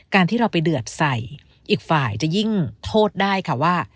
การที่เราไปเดือดใส่อีกฝ่ายจะยิ่งโทษได้ค่ะว่า